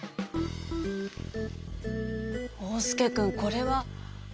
おうすけくんこれは。